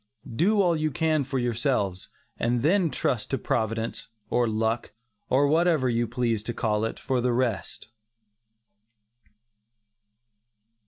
Do all you can for yourselves, and then trust to Providence, or luck, or whatever you please to call it, for the rest.